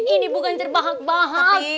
ini bukan terbahak bahak